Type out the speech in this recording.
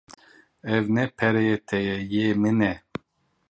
Ev ne pereyê te ye, yê min e.